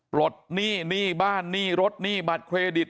ปลดหนี้หนี้บ้านหนี้รถหนี้บัตรเครดิต